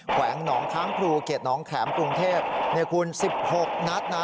แขวงหนองค้างพรูเกียรติหนองแข็มกรุงเทพเนื้อคูณสิบหกนัดนะ